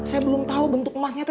saya belum tau bentuk emasnya